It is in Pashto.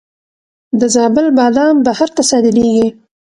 د زابل بادام بهر ته صادریږي.